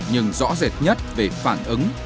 nhưng rõ rệt nhất về phản ứng